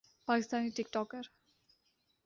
Pakistani ٹک talker